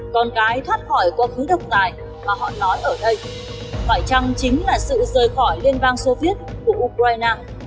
con cái thoát khỏi quá khứ độc tài mà họ nói ở đây phải chăng chính là sự rời khỏi liên bang soviet của ukraine